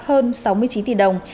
hơn sáu mươi chín tỷ đồng